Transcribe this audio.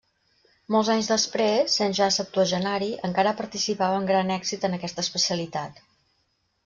Molts anys després, sent ja septuagenari, encara participava amb gran èxit en aquesta especialitat.